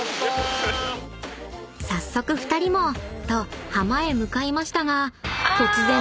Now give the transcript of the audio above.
［早速２人も！と浜へ向かいましたが］